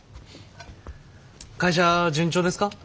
会社は順調ですか？